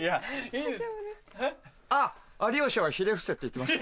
「有吉はひれ伏せ」って言ってます。